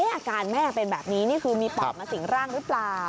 อาการแม่เป็นแบบนี้นี่คือมีปอดมาสิ่งร่างหรือเปล่า